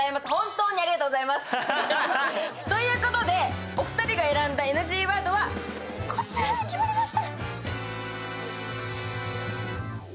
気を取り直していきますよ。ということで、お二人が選んだＮＧワードはこちらに決まりました。